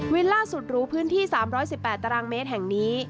วิลล่าสุดรูพื้นที่๓๑๘ตรมแห่งนี้